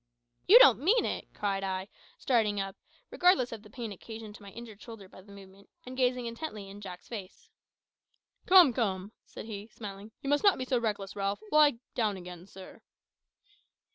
"You don't mean it!" cried I, starting up, regardless of the pain occasioned to my injured shoulder by the movement, and gazing intently in Jack's face. "Come, come," said he, smiling; "you must not be so reckless, Ralph. Lie down again, sir."